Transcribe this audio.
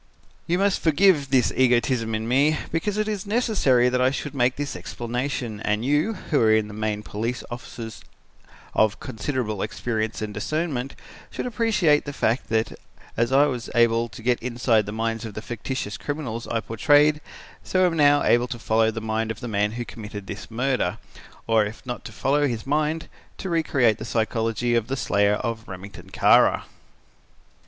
"You must forgive this egotism in me because it is necessary that I should make this explanation and you, who are in the main police officers of considerable experience and discernment, should appreciate the fact that as I was able to get inside the minds of the fictitious criminals I portrayed, so am I now able to follow the mind of the man who committed this murder, or if not to follow his mind, to recreate the psychology of the slayer of Remington Kara.